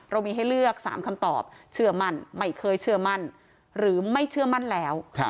เรามีให้เลือก๓คำตอบเชื่อมั่นไม่เคยเชื่อมั่นหรือไม่เชื่อมั่นแล้ว